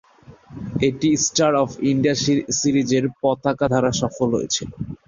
এটি star of India সিরিজের পতাকা দ্বারা সফল হয়েছিল।